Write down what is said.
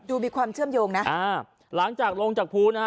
ดูมีความเชื่อมโยงนะอ่าหลังจากลงจากภูนะฮะ